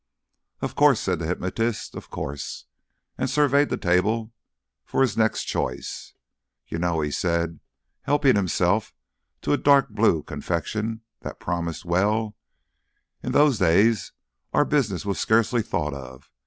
"Of course," said the hypnotist, "of course"; and surveyed the table for his next choice. "You know," he said, helping himself to a dark blue confection that promised well, "in those days our business was scarcely thought of.